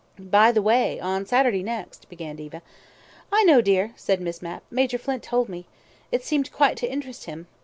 "By the way, on Saturday next " began Diva. "I know, dear," said Miss Mapp. "Major Flint told me. It seemed quite to interest him.